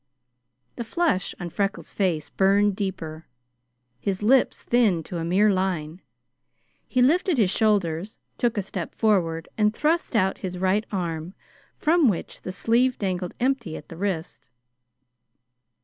The flush on Freckles' face burned deeper. His lips thinned to a mere line. He lifted his shoulders, took a step forward, and thrust out his right arm, from which the sleeve dangled empty at the wrist.